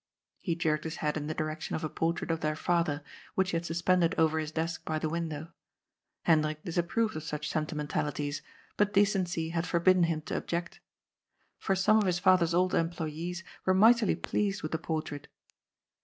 He jerked his head in the direction of a portrait of their father, which he had suspended over his desk by the window. Hendrik disapproved of such senti mentalities, but decency had forbidden him to object. For some of his father's old employes were mightily pleased with the portrait.